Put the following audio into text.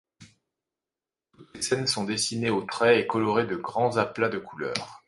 Toutes ces scènes sont dessinées au trait et colorées de grands aplats de couleurs.